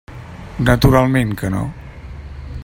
Naturalment que no!